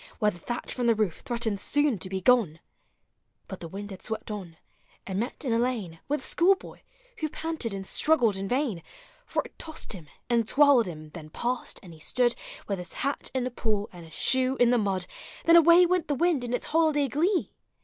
Where the thatch from the roof threatened soon to be gone. But the wind had swept on, and met in a lane With a school boy, who panted and struggled in vain : For it tossed him, and twirled him, then passed, and he stood With his hat in a pool, and his shoe in the mud, Digitized by Google FOR CHILDREX. 145 Then away went the wind in its holiday glee!